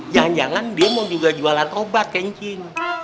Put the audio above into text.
jangan jangan dia mau juga jualan obat kayaknya cing